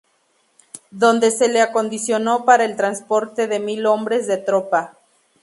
Donde se le acondicionó para el transporte de mil hombres de tropa.